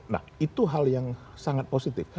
nah itu hal yang sangat positif